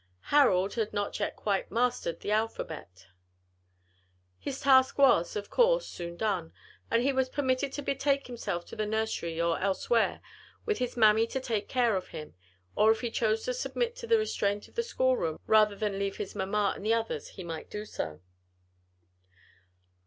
Harold had not yet quite mastered the alphabet. His task was, of course, soon done, and he was permitted to betake himself to the nursery or elsewhere, with his mammy to take care of him; or if he chose to submit to the restraint of the school room rather than leave mamma and the others, he might do so.